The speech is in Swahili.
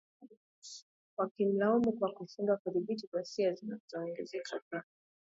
wakimlaumu kwa kushindwa kudhibiti ghasia zinazoongezeka za